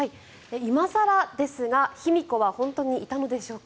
今更ですが、卑弥呼は本当にいたのでしょうか？